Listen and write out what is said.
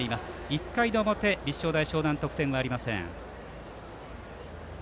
１回の表、立正大淞南得点ありません。